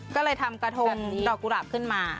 ก็เลยทำกระทงดอกกุหลาบขึ้นมา